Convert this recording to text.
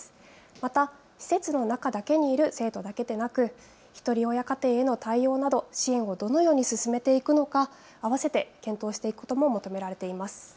また施設の中にいる生徒だけでなくひとり親家庭への対応や支援をどのように進めていくのかあわせて検討していくことも求められています。